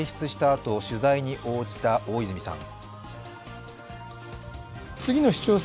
あと取材に応じた大泉さん。